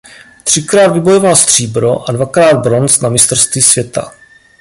Třikrát vybojoval stříbro a dvakrát bronz na mistrovství světa.